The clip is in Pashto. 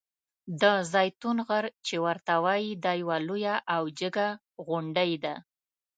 د زیتون غر چې ورته وایي دا یوه لویه او جګه غونډۍ ده.